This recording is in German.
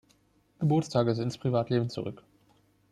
Geburtstages ins Privatleben zurück.